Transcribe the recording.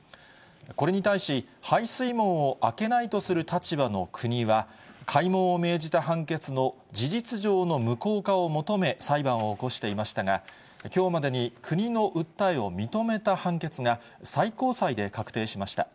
これに対し、排水門を開けないとする立場の国は、開門を命じた判決の事実上の無効化を求め、裁判を起こしていましたが、きょうまでに国の訴えを認めた判決が最高裁で確定しました。